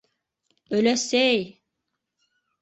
- Өләсәй!